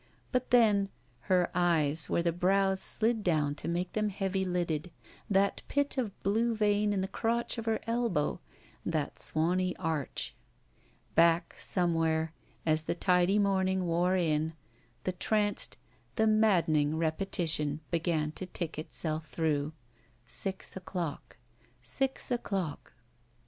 But then: her eyes where the brows slid down to make them heavy lidded. That bit of blue vein in the crotch of her elbow. That swany arch. Back somewhere, as the tidy morning wore in, the tranced, the maddening repetition began to tick itself through : "Six o'clock. Six o'clock."